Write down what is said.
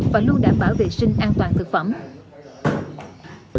và luôn đảm bảo vệ sinh an toàn thực phẩm